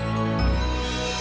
apalagi rumah tangannya kamilah